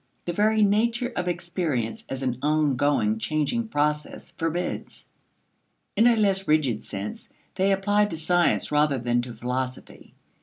The very nature of experience as an ongoing, changing process forbids. In a less rigid sense, they apply to science rather than to philosophy.